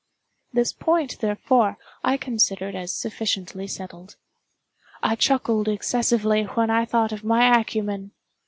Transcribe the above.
This point, therefore, I considered as sufficiently settled. I chuckled excessively when I thought of my acumen.